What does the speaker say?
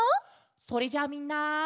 それじゃあみんな。